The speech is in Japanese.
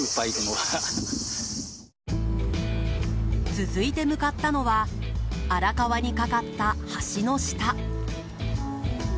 続いて向かったのは荒川に架かった橋の下。